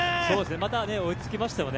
また追いつきましたよね。